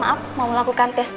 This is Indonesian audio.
maaf mau melakukan tes